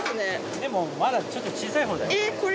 でもまだちょっと小さいほうだよこれ。